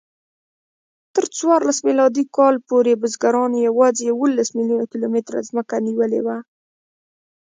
تر څوارلس میلادي کال پورې بزګرانو یواځې یوولس میلیونه کیلومتره ځمکه نیولې وه.